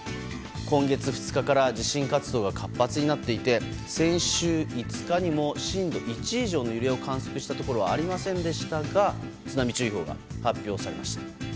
今月２日から地震活動が活発になっていて先週５日にも震度１以上の揺れを観測したところはありませんでしたが津波注意報が発表されました。